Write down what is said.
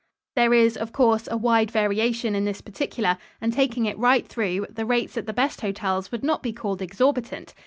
There is, of course, a wide variation in this particular, and taking it right through, the rates at the best hotels would not be called exorbitant.